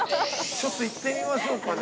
◆ちょっと行ってみましょうかね。